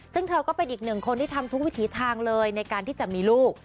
ซึ่งเธอก็เป็นอีกหนึ่งคนที่ทำทุกวิถีทางเลยในการที่จะมีลูก